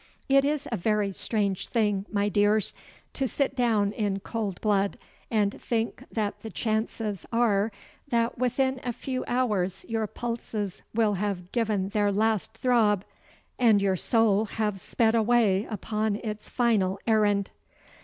It is a very strange thing, my dears, to sit down in cold blood, and think that the chances are that within a few hours your pulses will have given their last throb, and your soul have sped away upon its final errand.